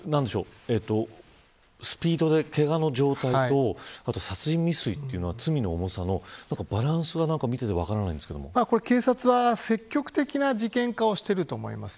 スピードで、けがの状態とまた殺人未遂というのは罪の重さのバランスが警察は積極的な事件化をしていると思います。